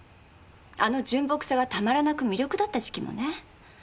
あの純朴さがたまらなく魅力だった時期もね。